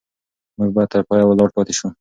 موږ باید تر پایه ولاړ پاتې شو.